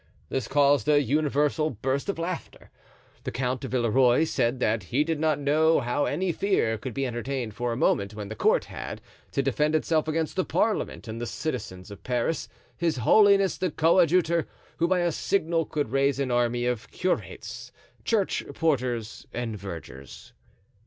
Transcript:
This caused a universal burst of laughter. The Count de Villeroy said that "he did not know how any fear could be entertained for a moment, when the court had, to defend itself against the parliament and the citizens of Paris, his holiness the coadjutor, who by a signal could raise an army of curates, church porters and vergers."